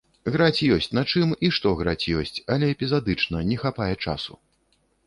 Граць ёсць на чым, і што граць ёсць, але эпізадычна, не хапае часу.